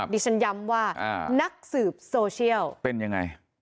ดิฉันย้ำว่านักสืบโซเชียลเป็นยังไง